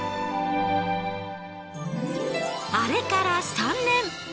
あれから３年。